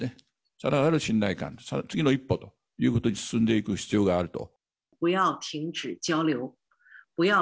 さらなる信頼感、その次の一歩ということに進んでいく必要があると。